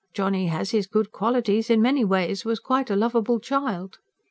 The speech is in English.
Johnny had his good qualities; in many ways was quite a lovable child."